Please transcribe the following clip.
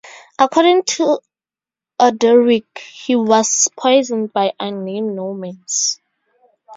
According to Orderic, he was poisoned by unnamed Normans.